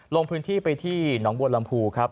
ลงพื้นที่ไปที่หนองบัวลำพูครับ